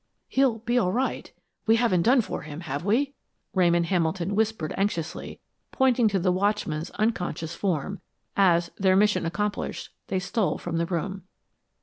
"He'll be all right. We haven't done for him, have we?" Ramon Hamilton whispered anxiously, pointing to the watchman's unconscious form, as, their mission accomplished, they stole from the room.